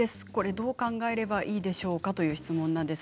どう考えればいいでしょうかという質問です。